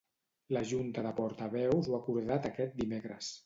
La Junta de Portaveus ho ha acordat aquest dimecres.